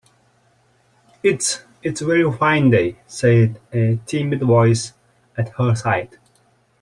‘It’s—it’s a very fine day!’ said a timid voice at her side.